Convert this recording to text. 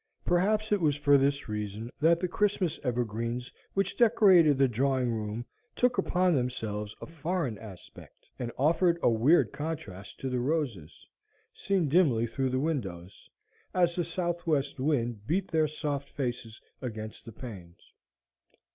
Perhaps it was for this reason that the Christmas evergreens which decorated the drawing room took upon themselves a foreign aspect, and offered a weird contrast to the roses, seen dimly through the windows, as the southwest wind beat their soft faces against the panes.